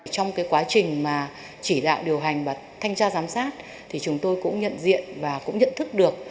trong quá trình chỉ đạo điều hành và thanh tra giám sát chúng tôi cũng nhận diện và nhận thức được